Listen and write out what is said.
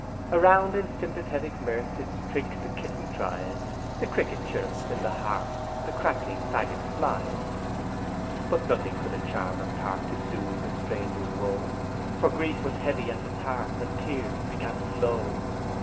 Around in sympathetic mirth Its tricks the kitten tries, The cricket chirrups in the hearth; The crackling faggot flies. But nothing could a charm impart To sooth the stranger's woe; For grief was heavy at his heart, And tears began to flow.